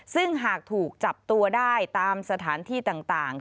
ซึ่งหากถูกจับตัวได้ตามสถานที่ต่าง